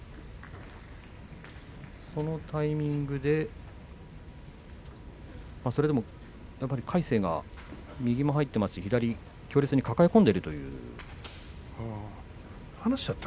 そのタイミングでやはり魁聖が右も入っていますし左を強烈に抱え込んでいるという。